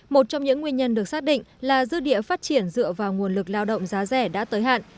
một trong những nguyên nhân được xác định là dư địa phát triển dựa vào nguồn lực lao động giá rẻ đã tới hạn